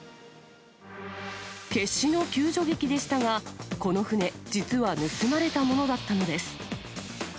決死の救助劇でしたが、この船、実は盗まれたものだったのです。